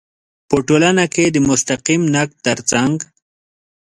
په ټولنه کې د مستقیم نقد تر څنګ